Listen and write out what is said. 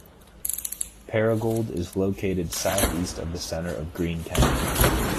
Paragould is located southeast of the center of Greene County.